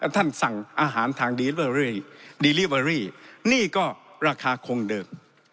ท่านสั่งอาหารทางดีเรื่อยดีลิเวอรี่นี่ก็ราคาคงเดิม